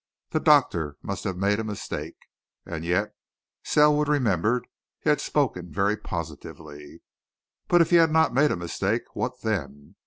The doctor must have made a mistake and yet, Selwood remembered, he had spoken very positively. But if he had not made a mistake? what then?